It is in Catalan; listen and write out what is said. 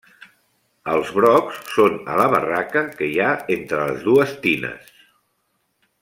Els brocs són a la barraca que hi ha entre les dues tines.